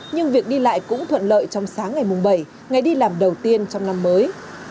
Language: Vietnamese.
nhưng việc đi lại cũng thuận lợi trong sáng ngày mùng bảy ngày đi làm đầu tiên trong năm mới